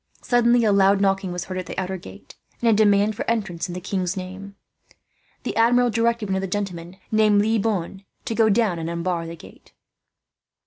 Suddenly a loud knocking was heard at the outer gate, and a demand for entrance, in the king's name. The Admiral directed one of the gentlemen, named Le Bonne, to go down and unbar the gate.